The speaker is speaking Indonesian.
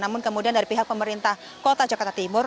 namun kemudian dari pihak pemerintah kota jakarta timur